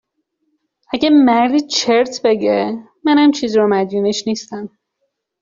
اگر مردی چرت بگه، منم چیزی رو مدیونش نیستم